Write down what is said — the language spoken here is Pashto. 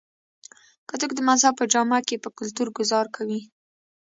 کۀ څوک د مذهب پۀ جامه کښې پۀ کلتور ګذار کوي